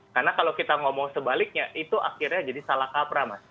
karena kalau kita ngomong sebaliknya itu akhirnya jadi salah kapra mas